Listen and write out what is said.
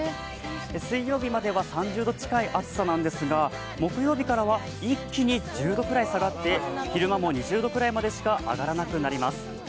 水曜日までは３０度近い暑さなんですが木曜日からは一気に１０度ぐらい下がって昼間も２０度ぐらいまでしか上がらなくなります。